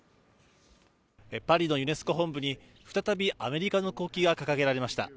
パリのユネスコ本部に再びアメリカの国旗が掲げられました。